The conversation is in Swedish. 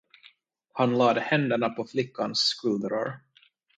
Han lade händerna på flickans skuldror.